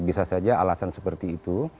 bisa saja alasan seperti itu